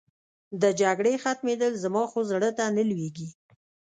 د جګړې ختمېدل، زما خو زړه ته نه لوېږي.